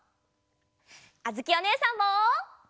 あづきおねえさんも！